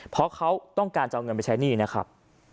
เพราะเขาต้องการจะเอาเงินไปใช้หนี้นะครับ